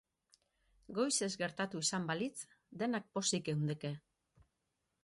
Goizez gertatu izan balitz, denak pozik geundeke.